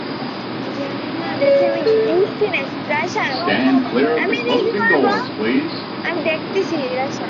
পণ্ডিতমহাশয় আকুল ভাবে নিধির মুখের দিকে চাহিয়া আছেন।